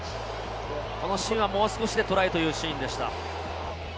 このシーンがもう少しでトライというシーンでした。